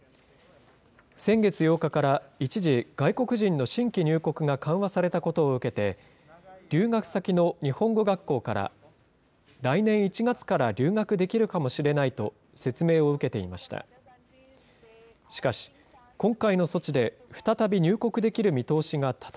先月８日から、一時、外国人の新規入国が緩和されたことを受けて、留学先の日本語学校から、来年１月から留学できるかもしれないと説明を受けていました。